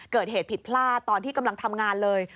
เกิดเหตุผิดพลาดตอนที่กำลังทำงานเลย